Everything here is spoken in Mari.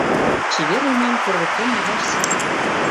Чевер олмам пӧрдыктен модаш сай.